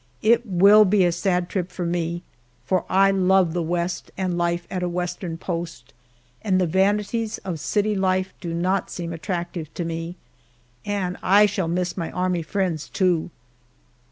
It will be a sad trip for me, for I love the West and life at a Western post, and the vanities of city life do not seem attractive to me and I shall miss my army friends, too!